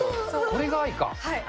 これが愛か。